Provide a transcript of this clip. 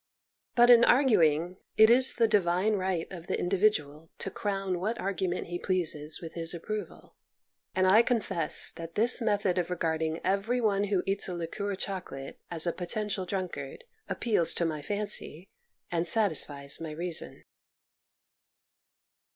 But in arguing, it is the divine right of the individual to crown what argument he pleases with his approval, and I confess that this method of regard ing every one who eats a liqueur choco 172 MONOLOGUES late as a potential drunkard appeals to my fancy and satisfies my reason.